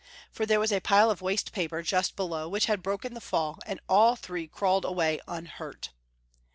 For there was a pile of waste paper just below, wliich had broken the fall, and all three crawled away unhurt.